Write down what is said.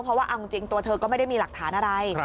เพราะว่าเอาจริงตัวเธอก็ไม่ได้มีหลักฐานอะไร